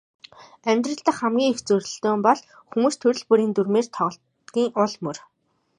Амьдрал дахь хамгийн их зөрөлдөөн бол хүмүүс төрөл бүрийн дүрмээр тоглодгийн ул мөр.